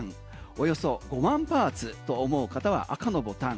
およそ５万パーツと思う方は赤のボタン